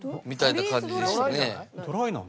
みたいな感じでしたね。